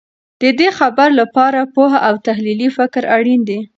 د دې خبر لپاره پوهه او تحلیلي فکر اړین دی.